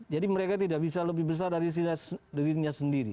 jadi mereka tidak bisa lebih besar dari dirinya sendiri